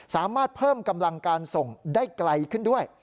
สามารถเพิ่มกำลังการส่งได้ไกลขึ้นด้วย